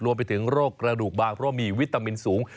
รวมไปถึงโรคกระดูกบางเพราะมีวิตามินสูง